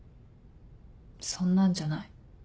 そんなんじゃない。